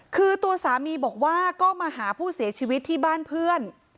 คือตัวสามีบอกว่าก็มาหาผู้เสียชีวิตที่บ้านเพื่อน